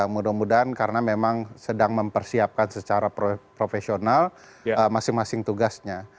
mudah mudahan karena memang sedang mempersiapkan secara profesional masing masing tugasnya